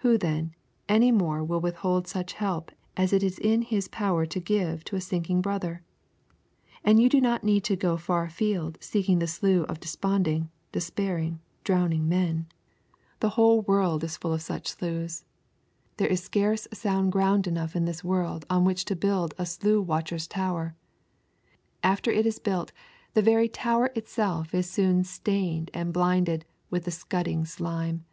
Who, then, any more will withhold such help as it is in his power to give to a sinking brother? And you do not need to go far afield seeking the slough of desponding, despairing, drowning men. This whole world is full of such sloughs. There is scarce sound ground enough in this world on which to build a slough watcher's tower. And after it is built, the very tower itself is soon stained and blinded with the scudding slime.